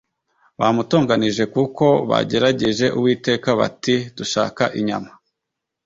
Bamutonganije kuko bagerageje Uwiteka bati dushaka inyama